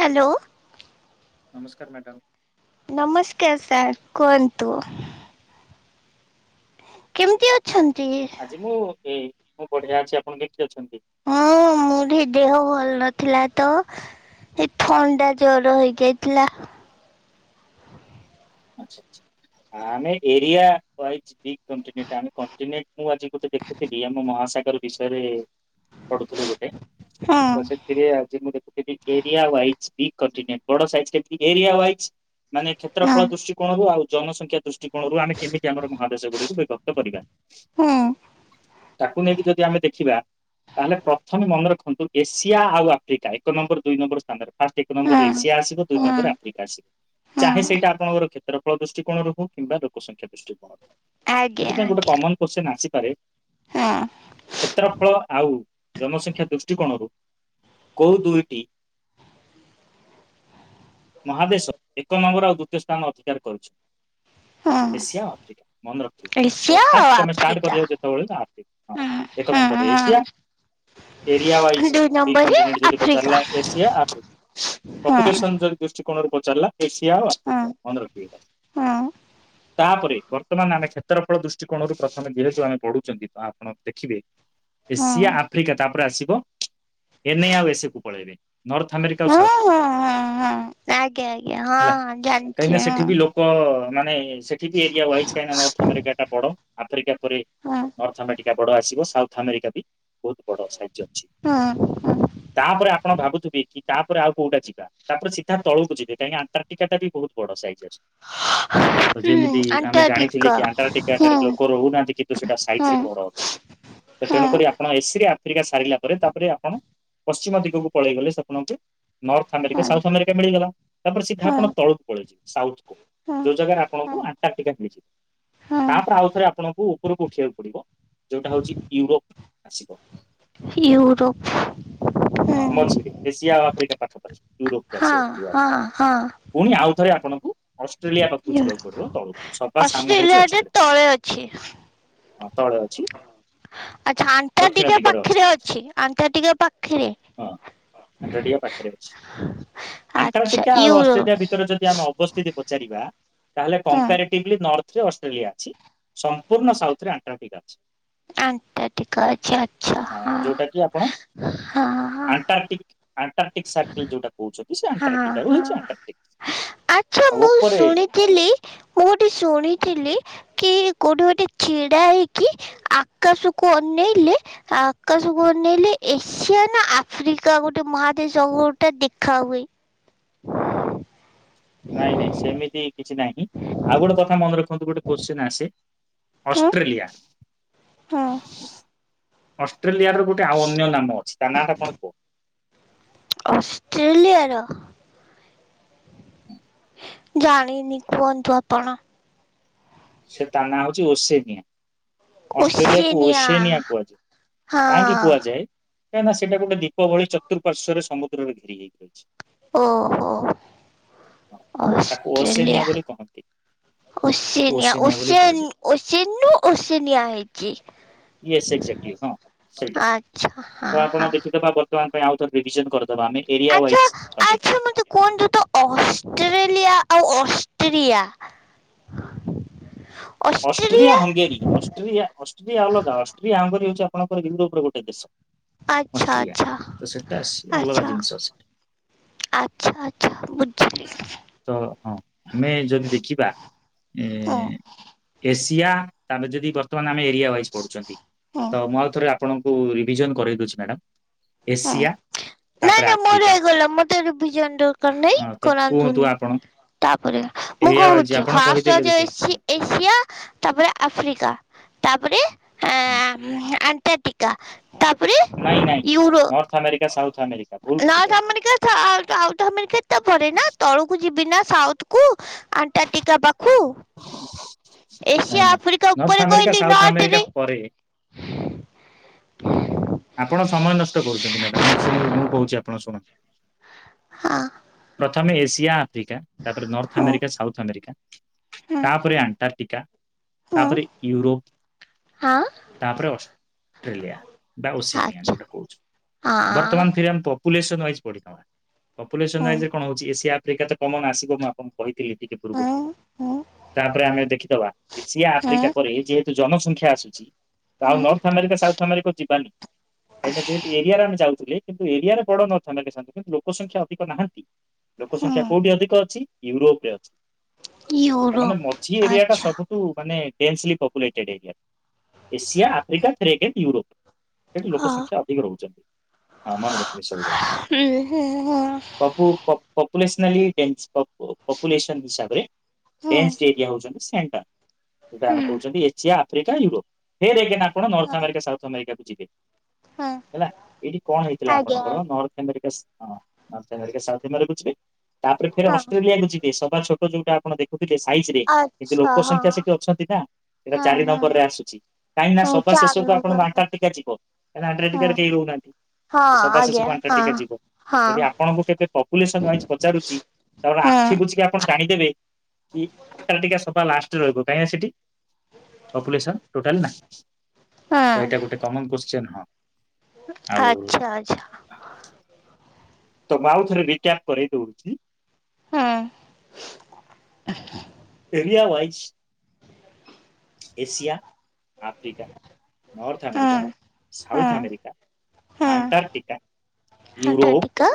Hello! ନମସ୍କାର madam. ନମସ୍କାର sir, କୁହନ୍ତୁ? କେମିତି ଅଛନ୍ତି? ଆଜି ମୁଁ ଏ, ମୁଁ ବଢିଆ ଅଛି। ଆପଣ କେମିତି ଅଛନ୍ତି? ହଁ, ମୋଠି ଦେହ ଭଲ ନଥିଲା ତ ଏଇ ଥଣ୍ଡା, ଜ୍ୱର ହେଇଯାଇଥିଲା। ଆଛା, ଆଛା, ଆମେ ଏରିଆ ୱାଇଜ ବି କଣ୍ଟିନେଟ, ଆମ କଣ୍ଟିନେଟ ମୁଁ ଆଜି ଗୋଟେ ଦେଖୁଥିଲି ଆମ ମହାସାଗର ବିଷୟରେ ପଢୁଥିଲି ଗୋଟେ, ହୁଁ ତ ସେ ସେଥିରେ ଆଜି ମୁଁ ଦେଖୁଥିଲି, ଏରିଆ ୱାଇଜ ବି କଣ୍ଟିନେଣ୍ଟ, ବଡ ସାଇଜ କେ ଏରିଆୱାଇଜ। ମାନେ କ୍ଷେତ୍ର ହୁଁ ଫଳ ଦୃଷ୍ଟି କୋଣରୁ ଆଉ ଜନସଂଖ୍ୟା ଦୃଷ୍ଟିକୋଣରୁ, ଆମେ କେମିତି ଆମର ମହାଦେଶ ଗୁଡିକୁ ବିଭକ୍ତ କରିବା? ହୁଁ ତାକୁ ନେଇକି ଯଦି ଆମେ ଦେଖିବା ତାହେଲେ ପ୍ରଥମେ ମନେ ରଖନ୍ତୁ, ଏସିଆ ଆଉ ଆଫ୍ରିକା, ଏକ ନମ୍ବର ଦୁଇ ନମ୍ବର ସ୍ଥାନରେ। ଫାଷ୍ଟ ଏକ ନମ୍ବର ହୁଁ ଏସିଆ ଆସିବ, ଦୁଇ ହୁଁ ନମ୍ବର ଆଫ୍ରିକା ଆସିବ, ହୁଁ ଚାହେ ସେଇଟା ଆପଣଙ୍କର କ୍ଷେତ୍ରଫଳ ଦୃଷ୍ଟି କୋଣ ରହୁ କିମ୍ବା ଲୋକ ସଂଖ୍ୟା ଦୃଷ୍ଟ କୋଣରୁ, ଆଜ୍ଞା ସେଥିପାଇଁ ଗୋଟେ କମନ ଆଜ୍ଞା। କୋଶ୍ଚିନ୍ସ ଆସିପାରେ, କ୍ଷେତ୍ରଫଳ ଆଉ ଜନସଂଖ୍ୟା ଦୃଷ୍ଟିକୋଣରୁ କୋଉ ଦୁଇଟି ମହାଦେଶ ଏକ ନମ୍ବର, ଆଉ ଦୁ ଦିତୀୟ ସ୍ଥାନ ଅଧିକାର କରୁଚି। ହୁଁ ହୁଁ ଏସିଆ ଆଫ୍ରିକା ମନେରଖ। ତ ଏସିଆ ଆଉ ଫାଷ୍ଟ ତମେ ଷ୍ଟାର୍ଟ ଆଫ୍ରିକା। କରିବା ଯେତେବେଳେ ଆର୍ଥିକ ହଁ, ହୁଁ ଏକ ନମ୍ବର ହୁଁ ଏସିଆ ହୁଁ ଏରିଆ ୱାଇଜ ଦୁଇ ବି ନମ୍ବରରେ କଣ୍ଟିନେଟ ଯଦି ଆଫ୍ରିକା ପଚାରିଲା, ଏସିଆ ଆଫ୍ରିକା, ହୁଁ ପପୁଲେସନ ଯଦି ଦୃଷ୍ଟିକୋଣରୁ ପଚାରିଲା, ଏସିଆ ଆଉ ଆଫ୍ରିକା, ହୁଁ ହୁଁ। ମନେ ରଖିବେ ଏଇଟା। ହୁଁ ତାପରେ, ବର୍ତ୍ତମାନ ଆମେ କ୍ଷେତ୍ରଫଳ ଦୃଷ୍ଟିକୋଣରୁ ପ୍ରଥମେ ଯେହେତୁ ଆମେ ପଢୁଚନ୍ତି, ତ ଆପଣ ଦେଖିବେ ହୁଁ ଏସିଆ, ଆଫ୍ରିକା, ତାପରେ ଆସିବ ଏନ୍ଇ ଆଉ ଏସେ କୁ ପଳାଇବେ, ନର୍ଥ ଆମେରିକା ଆଉ ହୁଁ ହୁଁ ସାଉଥ୍ମେରିକା। ହୁଁ ଆଜ୍ଞା, ଆଜ୍ଞା, ହଁ ହଁ, ଜାଣି କାହିଁକିନା ସେଠି ବି ଲୋକ ମାନେ ସେଠି ବି ଏରିଆ ୱାଇଜ୍ କାହିଁ ନା ନର୍ଥ ଆମେରିକା ଟା ବଡ, ଆଫ୍ରିକା ପରେ ହୁଁ ନର୍ଥ ଆମେରିକା ବଡ ଆସିବ, ସାଉଥ ଆମେରିକା ବି ବହୁତ ବଡ ସାହାଯ୍ୟ ଅଛି। ହଁ। ତାପରେ ଆପଣ ଭାବୁଥିବେ କି, ତାପରେ ଆଉ କୋଉଟା ଯିବା? ତାପରେ ସିଧା ତଳକୁ ଯିବେ, କାହିଁକି ଆଟାର୍ଟିକା ବି ବହୁତ ବ ସାଇଜ ଅଛି। [unintelligible] ତ ଯେମିତି ଆମେ ଜାଣିଥିଲି କି, ଆଣ୍ଟାର୍ଟିକାଟାରେ ଲୋକ ରହୁନାହାନ୍ତି କିନ୍ତୁ ସେଇଟା ସାଇଜ ରେ ବଡ ଅଛି। ତେଣୁକରି ଆପଣ ଏସିରେ ଆଫ୍ରିକା ସାରିଲା ପରେ ତାପରେ ଆପଣ ପଶ୍ଚିମ ଦିଗକୁ ପଳେଇଗଲେ ସେ ଆପଣଙ୍କୁ ନର୍ଥ ଆମେରିକା, ସାଉଥ ଆମେରିକା ମିଳିଗଲା, ତାପରେ ସିଧା ଆପଣ ତଳକୁ ପଳେଇ ଯିବେ, ସାଉଥ ଯୋଉ ଜାଗାରେ ଆପଣଙ୍କୁ ଆଣ୍ଟାର୍ଟିକା ମିଳିଯିବ, ତାପରେ ଆଉ ଥରେ ଆପଣଙ୍କୁ ଉପରକୁ ଉଠିବାକୁ ପଡିବ, ଯୋଉଟା ହଉଛି ୟୁରୋପ ଆସିବ। ୟୁରୋପ ହଁ, ମଝିରେ, ଏସିଆ ଆଉ ଆଫ୍ରିକା ପାଖପାଖି ୟୁରୋପ କୁ ଆସିବାକୁ ପଡିବ ଆପଣଙ୍କୁ। ପୁଣି ଆଉଥରେ ଆପଣଙ୍କୁ ଅଷ୍ଟ୍ରେଲିଆ ପାଖକୁ ଯିବାକୁ ପଡିବ ତଳୁ, ସବା ସାନ ହଉଛି ଅଷ୍ଟ୍ରେଲିଆରେ ଅଷ୍ଟ୍ରେଲିଆ। ତଳେ ଅଛି ହଁ ତଳେ ଅଛି। ଆଚ୍ଛା ଦକ୍ଷିଣ ଆଣ୍ଟାର୍କଟିକା ଦିଗରେ ପାଖିରେ ଅଛି, ଆଣ୍ଟାର୍କଟିକା ପାଖିରେ ହଁ ଆଣ୍ଟାର୍କଟିକା ପାଖରେ ଅଛି। ଆଚ୍ଛା ଆଣ୍ଟାର୍କଟିକା ଆଉ ୟୁରୋ ଅଷ୍ଟ୍ରେଲିଆ ଭିତରେ ଯଦି ଆମେ ଅବସ୍ଥିତି ପଚାରିବା, ତାହେଲେ ହୁଁ କମ୍ପେଆର ଟିବଲି ନର୍ଥରେ ଅଷ୍ଟ୍ରେଲିଆ ଅଛି, ସମ୍ପୂର୍ଣ୍ଣ ସାଉଥରେ ଆଣ୍ଟାର୍କଟିକା ଅଛି। ଆଣ୍ଟାର୍କଟିକା ଅଛି ଆଚ୍ଛା ହଁ ଯୋଉଟା କି ଆପଣ ହାଁ ହାଁ ଆଣ୍ଟାର୍ଟିକ୍ ସାଇକେଲ ଯୋଉଟା କହୁଛନ୍ତି। ସେ ହାଁ ଆଣ୍ଟାର୍କଟିକାରୁ ହେଇଛି ଆଣ୍ଟାର୍କଟିକ। ହାଁ ଆଚ୍ଛା ଆଉ ମୁଁ ଉପରେ ଶୁଣି ଥିଲି, ମୁଁ ଗୋଟେ ଶୁଣିଥିଲି କି କୋଉଠି ଗୋଟେ ଛିଡ଼ା ହେଇକି ଆକାଶକୁ ଅନେଇଲେ ଆକାଶକୁ ଅନେଇଲେ ଏସିଆ ନା ଆଫ୍ରିକା ଗୋଟେ ମହାଦେଶ ଗୋଟେ ଦେଖା ହୁଏ। [unintelligible] ନାଇଁ ନାଇଁ ସେମିତି କିଛି ନାହିଁ, ଆଉ ଗୋଟେ କଥା ମନେ ରଖନ୍ତୁ ଗୋଟେ କୋଶ୍ଚିନ ଆସେ। ଅଷ୍ଟ୍ରେଲିଆ ହଁ ଅଷ୍ଟ୍ରେଲିଆର ଗୋଟେ ଆଉ ଅନ୍ୟ ନାମ ଅଛି, ତା ନାଁଟା କଣ। ଅଷ୍ଟ୍ରେଲିଆର ଜାଣିନି କୁହନ୍ତୁ ଆପଣ। ସେ ତା ନାଁ ହଉଛି ଓସେନିଆଁ। ଅଷ୍ଟ୍ରେଲିଆକୁ ଓସେନିଆ କୁହାଯାଏ, ହଁ କାହିଁକି କୁହାଯାଏ? କାହିଁକି ନା ସେଟା ଗୋଟେ ଦୀପ ଭଳି ଚତୁଃପାର୍ଶ୍ୱରେ ସମୁଦ୍ରରେ ଘେର ହେଇ ରହିଛି। ଓହୋ ହଁ ତ ତାକୁ ଓସେନିଆ ଅଷ୍ଟ୍ରେଲିଆ। ବୋଲି କହନ୍ତି ତାକୁ ଓସେନିଆ ବୋଲି ଓସେନ କୁହାଯାଏ। ଓସନ୍ ନୁ ଓସେନିଆ ହେଇଛି। ୟେସ୍ ଏକ୍ଜାକ୍ଟଲି, ହଁ ସେଇଟା ଆଚ୍ଛା ହଁ ତ ହଁ। ଆପଣ କିଛି ତ ଭାବ ତ ୟାଙ୍କ ପାଇଁ ଆଉ ଥରେ ରିଭିଜନ କରି ଦେବା ଆମେ, ଏରିଆ ଆଚ୍ଛା ୱାଇଜ ଆଚ୍ଛା ମତେ କନଣ୍ଟିନ୍ୟୁଟି କୁହନ୍ତୁ ତ ଅଷ୍ଟ୍ରେଲିଆ ଅଷ୍ଟ୍ରେରିଆ ଅ ଅଷ୍ଟ୍ରିଆ ହଙ୍ଗେରୀ ଅଷ୍ଟ୍ରିଆ, ଅଷ୍ଟ୍ରିଆ ଅଲଗା, ଅଷ୍ଟ୍ରିଆ ହଙ୍ଗେରୀ ହେଇଛି ଆପଣଙ୍କର ବିନ୍ଦୁ ଉପରେ ଗୋଟିଏ ଦେଶ। ଆଚ୍ଛା ଅଷ୍ଟ୍ରିଆ, ଆଚ୍ଛା ତ ସେଟା ଅଲଗା ଆଚ୍ଛା ଜିନିଷ ସେଟା। ଆଚ୍ଛା ଆଚ୍ଛା ବୁଝିଲି। ତ ହଁ ଆମେ ଯଦି ଦେଖିବା ଏ। ହୁଁ ଏସିଆ ତାଙ୍କ ଯଦି ବର୍ତ୍ତମାନ ଆମେ ଏରିଆ ୱାଇଜ ପଢୁଛନ୍ତି। ହୁଁ ତ ମୁଁ ଆଉ ଥରେ ଆପଣଙ୍କୁ ରିଭିଜନ କରେଇ ଦେଉଛି ମ୍ୟାଡ଼ମ୍ ଏସିଆ, ନାଇଁ ତାପରେ ନାଇଁ ମୋର ଆଫ୍ରିକା ହେଇଗଲା ମୋତେ ରିଭିଜନ ଦରକାର ନାହିଁ ହଁ ତ କରାନ୍ତୁ କୁହନ୍ତୁ ନି। ଆପଣ ତାପରେ ମୁଁ ଏଇଆ ହେଇଛି କହୁଛି ଆପଣ ଫାଷ୍ଟ କହିଦେଲେ ଆଜି ଦେଖି ହଁ ଆସିଛି। ଏସିଆ ତାପରେ ଆଫ୍ରିକା, ତାପରେ ହଁ ଆଣ୍ଟା ଟିକା ତାପରେ ନାଇଁ ନାଇଁ ଇଉରୋପ। [unintelligible] [unintelligible] ମୁଁ ଆପଣ ଯିବି ନା ସାଉଥକୁ ଆଣ୍ଟାର୍କଟିକା ପାଖୁ ଏସିଆ ନାଇଁ ନାଇଁ ଆଫ୍ରିକା ନର୍ଥ ଉପରେ ଆମେରିକା କହିଲି ସାଉଥ ଆମେରିକା ନର୍ଥରେ ପରେ ଆପଣ ସମୟ ନଷ୍ଟ କରୁଛନ୍ତି ମ୍ୟାଡ଼ମ, ମୁଁ ଶୁଣ ମୁଁ କହୁଛି ଆପଣଙ୍କୁ ଶୁଣ ହାଁ ପ୍ରଥମେ ଏସିଆ, ଆଫ୍ରିକା ତାପରେ ନର୍ଥ ଆମେରିକା, ସାଉଥ୍ ଆମେରିକା ତାପରେ ଆଣ୍ଟାର୍କଟିକା, ହଁ ତାପରେ ଇଉରୋପ ହଁ ହଁ ତାପରେ ଅଷ୍ଟ୍ରେଲିଆ। ବା ଓସେମିଆ ଆଚ୍ଛା ଯୋଉଟା କହୁଛୁ। ହଁ ବର୍ତ୍ତମାନ ଫେର ପପୁଲେସନ ୱାଇସ ପଢ଼ିବା। ପପୁଲେସନ୍ ହୁଁ ରାଇଜରେ କଣ ହଉଛି ଏସିଆ ଆଫ୍ରିକା ତ କମନ ଆସିବ ମୁଁ ଆପଣଙ୍କୁ କହିଥିଲି ଟିକେ ପୂର୍ବ ହୁଁ ହୁଁ ତାପରେ ଆମେ ଦେଖିଦେବା ଏସିଆ ହୁଁ ଆଫ୍ରିକା ପରେ ଯେହେତ ଜନସଂଖ୍ୟା ଆସୁଛି ଆଉ ହୁଁ ନର୍ଥ ଆମେରିକା ସାଉଥ ଆମେରିକା ଏଇଟା ଯେହେତ ଏରିଆ ର ଆମେ ଯା ଥିଲେ କିନ୍ତୁ ଏରିଆରେ ବଡ ନ କିନ୍ତୁ ଲୋକ ସଂଖ୍ୟା ଅଧିକ ନାହାନ୍ତି ଲୋକ ସଂଖ୍ୟା ହୁଁ କୋଉଠି ଅଧିକ ଅଛି ୟୁରୋପରେ ଅଛି। ତା ମାନେ ୟୁରୋପ ମଝି ଏରିଆଟା ଆଚ୍ଛା ସବୁ densely populated area Asia, Africa, ଥ୍ରେଗେ, ୟୁରୋପ। ଏଠି ଲୋକ ହଁ ସଂଖ୍ୟା ଅଧିକ ରହୁଛନ୍ତି। ହଁ ମନେ ରଖିବେ ସବୁବେଳେ। ହୁଁ ହୁଁ ପପୁ ପପୁନେସନାଲି ଡେନ୍ସ ପପୁଲେସନ୍ ହିସାବରେ ହୁଁ ଡେନ୍ସ ଏରିଆ ହେଉଛନ୍ତି ସେଣ୍ଟର। ଯୋଉଟା ଆମେ ହୁଁ କହୁଛନ୍ତି ଏସିଆ, ଆଫ୍ରିକା, ୟୁରୋପ। ଫେର ଏଗେନ ଆପଣ ନର୍ଥ ଆମେରିକା, ସାଉଥ ଆମେରିକାକୁ ଯିବେ। ହୁଁ ହେଲା ଏଇଠି କଣ ହେଇଥିଲା ଆଜ୍ଞା ଆପଣଙ୍କର ଆଜ୍ଞା north America north America south ଆମେରିକାକୁ ଯିବେ ତାପରେ ଫେରେ ହଁ ଅଷ୍ଟ୍ରେଲିଆକୁ ଯିବେ ସବା ଛୋଟ ଯୋଉଟା ଆପଣ ଦେଖେ ଥିଲେ ସାଇଜରେ କିନ୍ତୁ ଆଚ୍ଛା ଲୋକ ହଁ ସଂଖ୍ୟା ସେଠି ଅଛନ୍ତି ନା ସେଇଟା ଚାରି ହଁ ନମ୍ବରରେ ଆସୁଛି। କାହିଁକି ନା ହଁ ସଭା ଚାରି ଶେଷକୁ ଆପଣଙ୍କୁ ନମ୍ବର ଆଣ୍ଟରଟିକା ଯିବ କାଇଁ ନା ହଁ ଆଣ୍ଟରଟିକାରେ କେହି ରହୁନାହାନ୍ତି। ହଁ ସଭା ଆଜ୍ଞା ଶେଷକୁ ହଁ ଆଣ୍ଟରକାଟିକା ଯିବ। ହଁ ଯଦି ଆପଣଙ୍କୁ କେତେ ପପୁଲେସନ ୱାଇଜ ପଚାରୁଛି ତାହେଲେ ହୁଁ ଆଖି ବୁଝିକି ଆପଣ ଟାଣିଦେବେ। କି ଆଣ୍ଟରକାଟିକା ସଭା ଲାଷ୍ଟରେ ରହିବ କାହିଁକି ନା ସେଠି ପପୁଲେସନ୍ ଟୋଟାଲ ନାହିଁ ହୁଁ ତ ଏଇଟା ଗୋଟେ କମନ କ୍ୱେଶ୍ଚିନ୍ ହଁ ଆଉ ଆଚ୍ଛା ଆଚ୍ଛା ତ ମୁଁ ଆଉ ଥରେ ରିଟ୍ୟାପ କରେଇ ଦଉଛି। ହଁ area wise Asia Africa, North ହୁଁ ଆମେରିକା, ହୁଁ South America. Antarctica Antarctica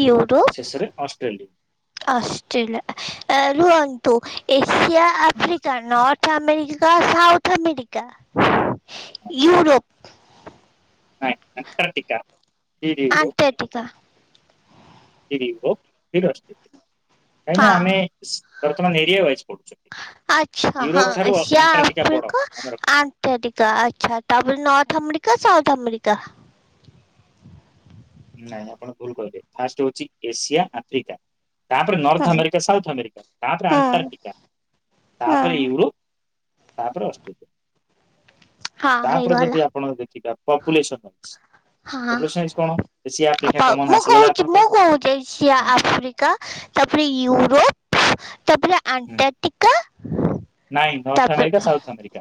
Europe ଶେଷରେ ଅଷ୍ଟ୍ରେଲିଆ ଅଷ୍ଟ୍ରେଲିଆ ରୁହନ୍ତୁ Asia, Africa, north America, south America, Europe. Antarctica Antarctica [unintelligible] କାହିଁକି ହଁ ନା ଆମେ ବର୍ତ୍ତମାନ ଏରିଆ ୱାଇଜ ପଢ଼ୁଛୁ। ଆଚ୍ଛା ହଁ ଏସିଆ, ବଡ ଆଫ୍ରିକା ମନେ ରଖ ଆ ଆଣ୍ଟାର୍ଟିକା ଆଚ୍ଛା ତାପରେ ନର୍ଥ ଆମେରିକା, ସାଉଥ ଆମେରିକା। ନାଇଁ ଆପଣ ଭୁଲ କହିଲେ ଫାଷ୍ଟ ହଉଛି ଏସିଆ, ଆଫ୍ରିକା ତାପରେ ହୁଁ ନର୍ଥ ଆମେରିକା, ସାଉଥ ଆମେରିକା ତାପରେ ହୁଁ ଆଣ୍ଟାର୍ଟିକା ହୁଁ ତାପରେ ୟୁରୋପ ତାପରେ ଅଷ୍ଟ୍ରେଲିଆ ହଁ ତାପରେ ଯଦି ହେଇଗଲା ଆପଣ ଦେଖିବା ପପୁଲେସନ୍ ୱାଇଜ୍ ପପୁଲେସନ୍ ୱାଇଜ୍ କଣ ଏସିଆ ଆଫ୍ରିକା ଆ କମନ ମୁଁ ଆସିଗଲା କହୁଛି ମୁଁ ଆପଣଙ୍କର। କହୁଛି ଏସିିଆ, ହଁ, ଆଫ୍ରିକା ତାପରେ ୟୁରୋପ ତାପରେ ହୁଁ ଆଣ୍ଟାର୍ଟିକା ନାଇଁ ନର୍ଥ ଆମେରିକା ତାପରେ ସାଉଥ ଆମେରିକା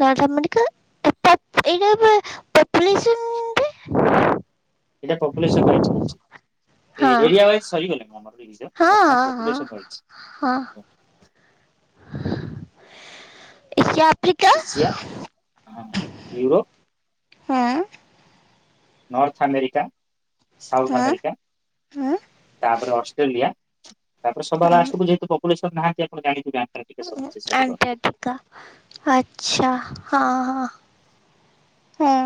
ନର୍ଥ ଆମେରିକା [unintelligible] ପପୁଲେସନରେ ଏଇଟା ପପୁଲେସନ ୱାଇଜ ହଁ କହୁଛି। ଏରିଆ ୱାଇଜ ସରିଗଲାଣି ଆମର ହଁ [inaudible] ହଁ ବର୍ତମାନ ହଁ ପପୁଲେସନ୍ ୱାଇଜ୍। ହଁ ଏସିଆ ଆଫ୍ରିକା ଏସିଆ ହଁ ୟୁରୋପ୍ ହଁ। ନର୍ଥ ଆମେରିକା, ସାଉଥ ହୁଁ ଆମେରିକା ହୁଁ ତାପରେ ଅଷ୍ଟ୍ରେଲିଆ ତାପରେ ସବା ହୁଁ ଲାଷ୍ଟକୁ ଯେହେତୁ ପପୁଲେସନ ନାହାନ୍ତି ଆପଣ ଜାଣିଥିବେ ଆଣ୍ଟାର୍ଟିକା ସବୁଠୁ ଶେଷରେ ରହିବ। ତ ଆଚ୍ଛା ହଁ ହଁ ହଁ।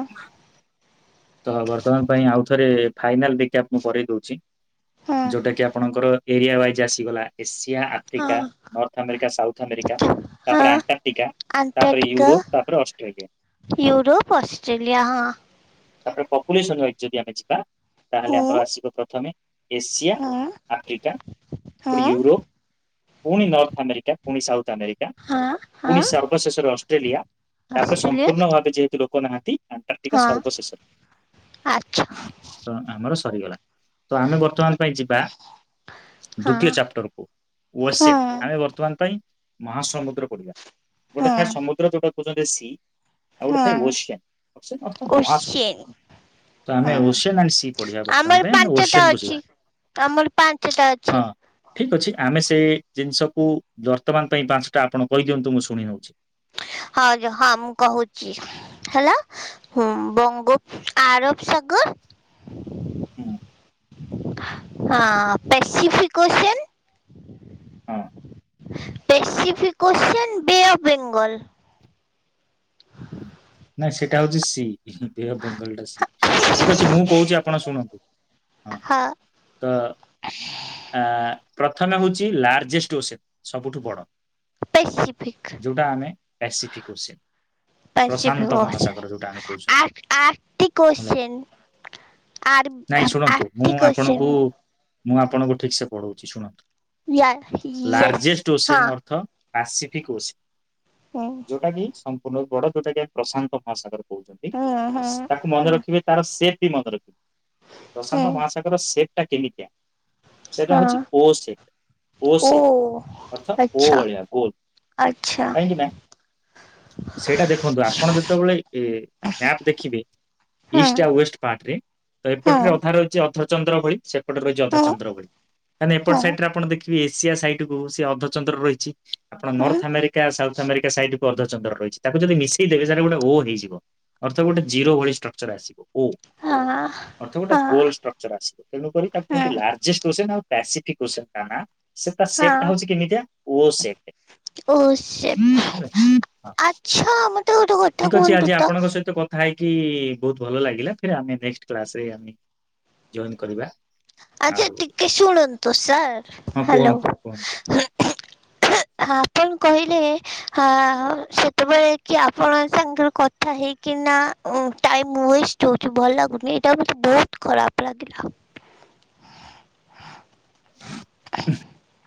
ତ ବର୍ତ୍ତମାନ ପାଇଁ ଆଉ ଥରେ ଫାଇନାଲ ବିକ୍ୟାପ ମୁଁ କରେଇ ଦଉଛି ହୁଁ ହୁଁ ଯୋଉଟା କି ଆପଣଙ୍କର ଏରିଆ ୱାଇଜ୍ ଆସିଗଲା ଏସିଆ ଆଫ୍ରିକା ହଁ ନର୍ଥ ଆମେରିକା ସାଉଥ୍ ଆମେରିକା। ତାପରେ ହଁ ଆଣ୍ଟାର୍ଟିକା ତାପରେ ୟୁରୋପ ତାପରେ ଅଷ୍ଟ୍ରେଲିଆ। ୟୁରୋପ୍ ଅଷ୍ଟ୍ରେଲିଆ ହଁ। ତାପରେ ପପୁଲେସନ ୱାଇଜ ଯଦି ଆମେ ଯିବା ତାହେଲେ ହୁଁ ଆମର ଆସିବ ପ୍ରଥମେ ଏସିଆ ହୁଁ ଆଫ୍ରିକା ହୁଁ ପୁଣି ୟୁରୋପ ପୁଣି ନର୍ଥ ଆମେରିକା ପୁଣି ସାଉଥ ଆମେରିକା। ହଁ ହଁ ପୁଣି ସର୍ବଶେଷରେ ଅଷ୍ଟ୍ରେଲିଆ ତାପରେ ସମ୍ପୂର୍ଣ୍ଣ ଭାବେ ଯେହେତୁ ଲୋକ ନାହାନ୍ତି ଆଣ୍ଟାର୍ଟିକ ସର୍ବଶେଷରେ। ଆଚ୍ଛା। ଆମର ସରିଗଲା। ତ ଆମେ ବର୍ତ୍ତମାନ ପାଇଁ ଯିବା ଦ୍ଵିତୀୟ ଚାପ୍ଟର କୁ। ଓସେଫ ହଁ ଆମେ ବର୍ତ୍ତମାନ ପାଇଁ ମହାସମୁଦ୍ର ପଢିବା ଗୋଟେ ହଁ ଥାଏ ସମୁଦ୍ର ଯୋଉଟା [unintelligible] ସି ଆଉ ଗୋଟେ ଥାଏ ହଁ ଓସିଆ ଅର୍ଥା ମହା। [unintelligible] ଓସିଆନ୍ ତ ଆମେ ହଁ ଓସିଆନ୍ ଆଣ୍ଡ ସି ପଢିବା ଆମର ବର୍ତ୍ତମାନ ପାଇଁ ଆମେ ପାଞ୍ଚଟା ଓସିଆନକୁୁ ଅଛି। ଯିବା। ଆମର ପାଞ୍ଚଟା ଅଛି। ହଁ ଠିକ ଅଛି ଆମେ ସେ ଜିନିଷକୁ ବର୍ତ୍ତମାନ ପାଇଁ ପାଞ୍ଚଟା ଆପଣ କହିଦିଅନ୍ତୁ ମୁଁ ଶୁଣି ନଉଛି। ହ ଯ ହଁ ମୁଁ କହୁଛି ହେଲା। ହୁଁ ବଙ୍ଗୋପ ଆରବ ସାଗର ହୁଁ। ହଁ ପେସିଫିକୋସନ। ହଁ। ପେଷିଫିକୋସନ ବେ ଅଫ ବେଙ୍ଗଲ। ଏଇଟା ହଉଛି ସି। ବେଅଫ ବେଙ୍ଗଲଟା ସି ଠିକ ଅଛି ମୁଁ କହୁଛି ଆପଣ ଶୁଣନ୍ତୁ ହଁ। ତ ଆ ପ୍ରଥମେ ହଉଛି ଲାର୍ଜେଷ୍ଟ ଓଷେମ ସବୁଠୁ ବଡ। ପେସିଫିକ୍ ଯୋଉଟା ଆମେ ପାସିଫିକ କୋଷଚେନ। [unintelligible] ପଶ୍ଚିମୀ କ ଆମେ ଆ କହୁଛନ୍ତି ଆଠି ହେଲା। କୋଶ୍ଚୈନ। ଆର ନାଇଁ ଶୁଣନ୍ତୁ ମୁଁ ଆରଟି ଆପଣଙ୍କୁ କୋଷଚେନ। ମୁଁ ଆପଣଙ୍କୁ ଠିକ ସେ ପଢଉଛି ଶୁଣନ୍ତୁ ଲାର୍ଜେଷ୍ଟ ଓସିନ ଅର୍ଥ ପାସିଫିକ୍ ଓସେନ। ହୁଁ। ଯଉଟା କି ସମ୍ପୂର୍ଣ୍ଣ ବଡ ଯୋଉଟାକି ଆମ ପ୍ରଶାନ୍ତ ମହାସାଗର। ତାକୁ ମନେ ରଖିବେ ତାର ସେଵବି ମନେ ରଖିବେ ପ୍ରଶାନ୍ତ ମହାଶାଗ ତାଙ୍କର ସେଟ୍ ଟା କେମିତିଆ ସେଟା ହଉଛି ଓ ସେଟ। ଓ ସେଟ ଅର୍ଥ ଓଭଳିଆ ଗୋଲ କାହିଁକି ନା ସେଇଟା ଦେଖନ୍ତୁ ଆପଣ ଯେତେବେଳେ ଏ ମ୍ୟାପ ଦେଖିବେ? ଇଷ୍ଟ ଆଉ ୱେଷ୍ଟ ପାର୍ଟରେ ତ ଏପଟରେ ଅଧା ରହିଛି ଅର୍ଧରଚନ୍ଦ୍ର ଭଳି ସେ ଗୋଟେ ରହିଛି ଅଧା ଚନ୍ଦ୍ର ଭଳି ମାନେ ଏପଟ ସାଇଡରେ ଆପଣ ଦେଖି ଏସିଆ ସାଇଡ କୁ ସେ ଅର୍ଧଚନ୍ଦ୍ର ରହିଛି ଆପଣ north America south America side କୁ ଅଧ ଚନ୍ଦ୍ର ରହିଛି ତାକୁ ଯଦି ମିଶେଇ ଦେବେ ସେଇଟା ଗୋଟେ ଓ ହେଇଯିବ। ଅର୍ଥ ଗୋଟେ ଜିରୋ ଭଳି ଷ୍ଟ୍ରକ୍ଚର ଆସିବ ଓ। ହଁ। ଅର୍ଥ ଗୋଟେ ଗୋଲ ଷ୍ଟ୍ରକ୍ଚର ଆସିବ ତେଣୁକରି ତାକୁୁ କୁହନ୍ତି ଲାର୍ଜେଷ୍ଟ ଓସେମ ଆଉ ପସିଫିକ ଓସେନ ତା ନାଁ। ସେ ତା ସେପଟା ହଉଛି କେମିତିଆ ଓ ସେପ। ଓ ସେଟ। ହଁ। ହଁ ମତେ ଗୋଟେ [unintelligible] ଠିକ୍ ଅଛି ଆଜି ତ ଆପଣଙ୍କ ସହିତ କ କଥାହେଇକି ବହୁତ ଭଲ ଲାଗିଲା ଫେର ଆମେ ନେଷ୍ଟ କେଲାସରେ ଆମେ ଜଏନ କରିବା। ଆଚ୍ଛା ଆଉ ଟିକେ ଶୁଣନ୍ତୁ ସାର୍ ହ୍ୟାଲୋ। [unintelligible] ଆପଣ କହିଲେ ହ ସେତେବେଳେ କି ଆପଣ ସାଙ୍ଗରେ କଥା କଥା ହେଇକିନା ଓ ଟାଇମ ୱେଷ୍ଟ ହଉଛି ଭଲ ଲାଗୁନି ଏଇଟା ମୋତେ ବହୁତ ଖରାପ ଲାଗିଲା। ଉଁ